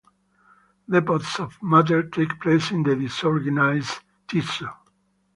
Depots of matter take place in the disorganized tissue.